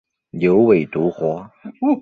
牛尾独活